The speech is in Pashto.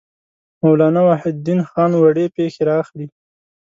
مولانا وحیدالدین خان وړې پېښې را اخلي.